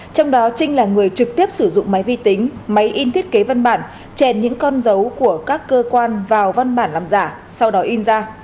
trong đó trinh là người trực tiếp sử dụng máy vi tính máy in thiết kế văn bản trèn những con dấu của các cơ quan vào văn bản làm giả sau đó in ra